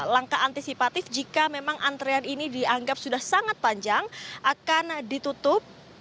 langkah antisipatif jika memang antrean ini dianggap sudah sangat panjang akan ditutup